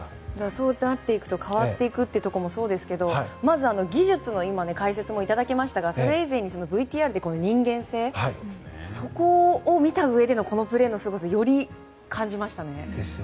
そうなっていくと変わっていくこともそうですけどまず技術の解説もいただきましたがそれ以前に、このＶＴＲで人間性を見たうえでこのプレーのすごさをより感じましたね。